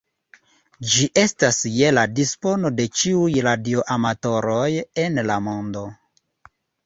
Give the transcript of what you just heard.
Ĝi estas je la dispono de ĉiuj radioamatoroj en la mondo.